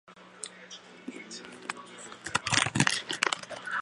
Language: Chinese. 不会生活，你就没有人生